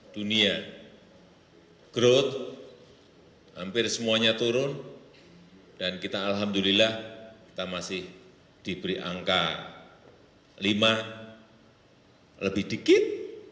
dunia growth hampir semuanya turun dan kita alhamdulillah kita masih diberi angka lima lebih dikit